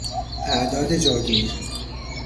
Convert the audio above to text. اعداد جادویی